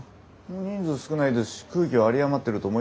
人数少ないですし空気は有り余ってると思いますけどね。